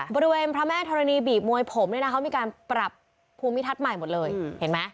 บริเวณพระแม่ธรณีบีบมวยผมเนี่ยนะเขามีการปรับภูมิทัศน์ใหม่หมดเลยเห็นไหม